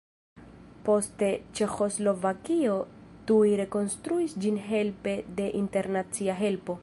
Poste Ĉeĥoslovakio tuj rekonstruis ĝin helpe de internacia helpo.